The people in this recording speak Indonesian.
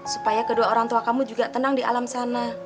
supaya kedua orang tua kamu juga tenang di alam sana